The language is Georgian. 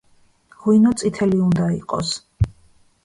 ღვინო წითელი უნდა იყოს.